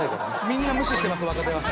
「みんな無視してます若手は」